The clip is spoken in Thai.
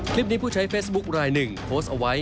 ผู้ใช้เฟซบุ๊คลายหนึ่งโพสต์เอาไว้